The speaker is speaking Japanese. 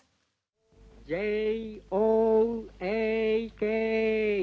ＪＯＡＫ。